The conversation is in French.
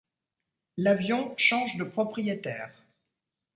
L’avion change de propriétaire.